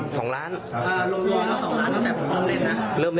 ใช่